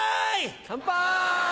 乾杯！